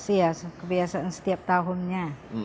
iya kebiasaan setiap tahunnya